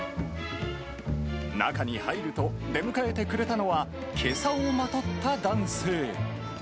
中に入ると、出迎えてくれたのは、けさをまとった男性。